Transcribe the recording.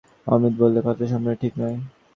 অমিত বললে, কথাটা সম্পূর্ণ ঠিক নয়।